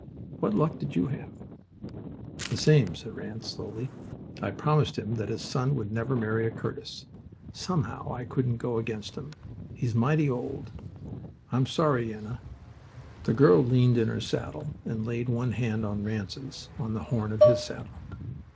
What luck did you have?" "The same," said Ranse, slowly. "I promised him that his son would never marry a Curtis. Somehow I couldn't go against him. He's mighty old. I'm sorry, Yenna." The girl leaned in her saddle and laid one hand on Ranse's, on the horn of his saddle.